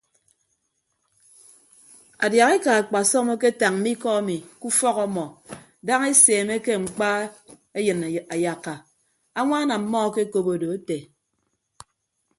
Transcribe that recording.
Adiahaeka akpasọm aketañ mme ikọ emi ke ufọk ọmọ daña eseemeke mkpa eyịn ayakka añwaan ọmmọ akekop odo ete.